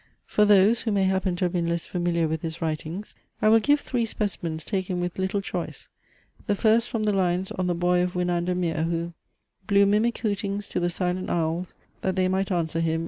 For those, who may happen to have been less familiar with his writings, I will give three specimens taken with little choice. The first from the lines on the BOY OF WINANDER MERE, who "Blew mimic hootings to the silent owls, That they might answer him.